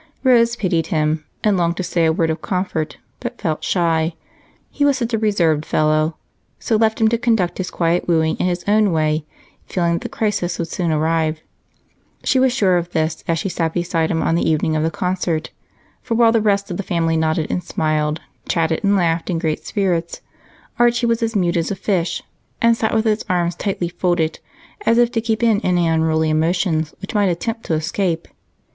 Rose pitied him and longed to say a word of comfort, but felt shy he was such a reserved fellow so left him to conduct his quiet wooing in his own way, feeling that the crisis would soon arrive. She was sure of this as she sat beside him on the evening of the concert, for while the rest of the family nodded and smiled, chatted and laughed in great spirits, Archie was as mute as a fish and sat with his arms tightly folded, as if to keep in any unruly emotions which might attempt to escape.